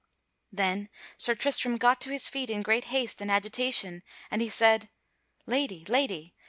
Then Sir Tristram got to his feet in great haste and agitation and he said: "Lady! Lady!